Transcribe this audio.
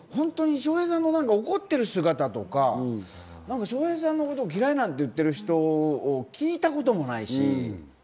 愛してるし、笑瓶さんの怒ってる姿とか、笑瓶さんのことを嫌いって言ってる人を聞いたこともないし。